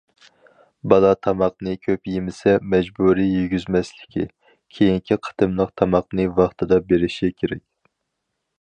بالا تاماقنى كۆپ يېمىسە، مەجبۇرىي يېگۈزمەسلىكى، كېيىنكى قېتىملىق تاماقنى ۋاقتىدا بېرىشى كېرەك.